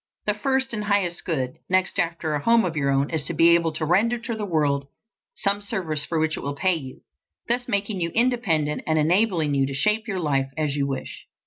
The first and highest good, next after a home of your own, is to be able to render to the world some service for which it will pay you, thus making you independent and enabling you to shape your life as you wish.